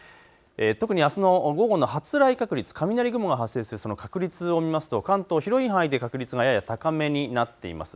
特にあすの午後の発雷確率雷雲が発生する確率を見ますと関東広い範囲で確率がやや高めになっています。